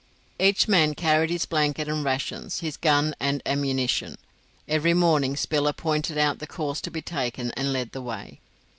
Each man carried his blanket and rations, his gun and ammunition. Every morning Spiller pointed out the course to be taken and led the way.